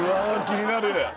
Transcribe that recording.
気になる！